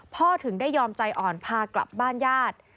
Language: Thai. ถึงได้ยอมใจอ่อนพากลับบ้านญาติ